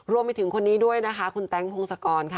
รวมไปถึงคนนี้ด้วยนะคะคุณแต๊งพงศกรค่ะ